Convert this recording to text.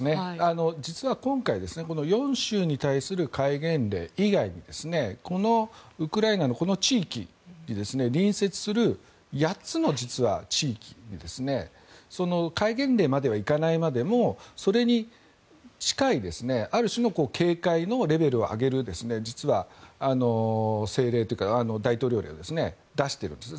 実は今回この４州に対する戒厳令以外にこのウクライナの地域に隣接する８つの地域に戒厳令まではいかないまでもそれに近いある種の警戒のレベルを上げる実は政令というか大統領令を出しているんです。